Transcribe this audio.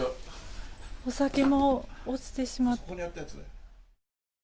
お酒も落ちてしまって。